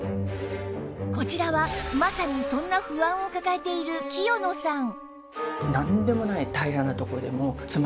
こちらはまさにそんな不安を抱えている清野さん